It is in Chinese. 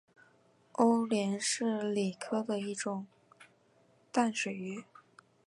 欧鲢是鲤科的一种淡水鱼。